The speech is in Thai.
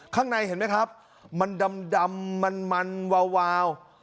ข้างในเห็นไหมครับมันดำมันมันวาว